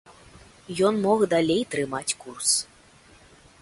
Ён мог далей трымаць курс.